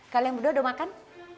kalian berdua udah makan